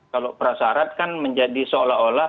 kalau prasyarat kan menjadi seolah olah